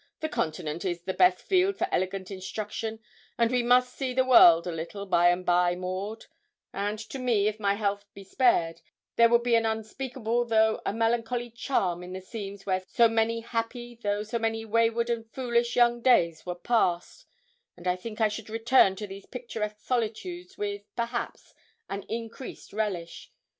The Continent is the best field for elegant instruction, and we must see the world a little, by and by, Maud; and to me, if my health be spared, there would be an unspeakable though a melancholy charm in the scenes where so many happy, though so many wayward and foolish, young days were passed; and I think I should return to these picturesque solitudes with, perhaps, an increased relish.